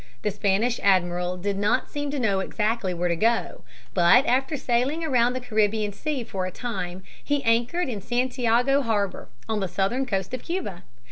The Spanish admiral did not seem to know exactly where to go. But after sailing around the Caribbean Sea for a time, he anchored in Santiago harbor on the southern coast of Cuba.